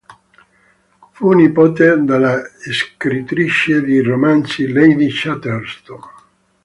Fu nipote della scrittrice di romanzi Lady Chatterton.